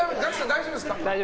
大丈夫です。